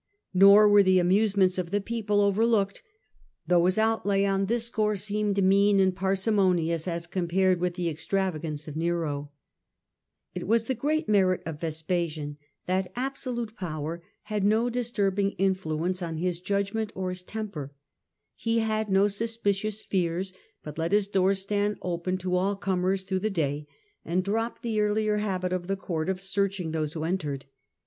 Nor were the amusements of the people overlooked, though his outlay on this score seemed mean and parsimonious as compared with the extravagance of Nero. It was the He was free great merit of Vespasian that absolute power [ousVand had no disturbing influence on his judgment suspicion, or his temper. He had no suspicious fears, but let his doors stand open to all comers through the day, and dropped the earlier habit of the court of searching those who entered.